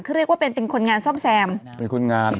คือเรียกว่าเป็นเป็นคนงานซ่อมแซมเป็นคนงาน